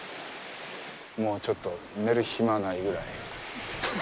もう、ちょっと寝る暇ないぐらい。